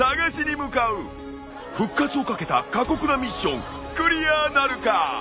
復活をかけた過酷なミッションクリアなるか！？